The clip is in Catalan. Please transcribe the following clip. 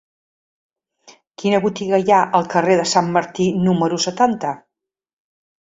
Quina botiga hi ha al carrer de Sant Martí número setanta?